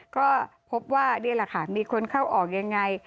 ก็พบว่านี่แหละค่ะมีคนเข้าออกยังไง